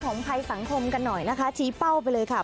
ภัยสังคมกันหน่อยนะคะชี้เป้าไปเลยค่ะ